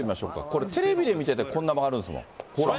これ、テレビで見ててもこんな曲がるんです。